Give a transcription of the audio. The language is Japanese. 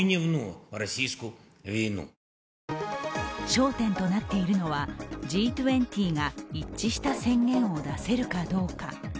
焦点となっているのはＧ２０が一致した宣言を出せるかどうか。